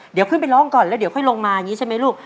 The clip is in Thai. เดี๋ยวขึ้นไปร้องก่อนแล้วเดี๋ยวค่อยลงมาอย่างนี้ใช่ไหมลูก